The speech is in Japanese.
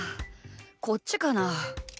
こっちかな？